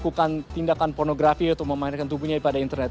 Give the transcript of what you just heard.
karena juga pernah melakukan tindakan pornografi atau memainkan tubuhnya pada internet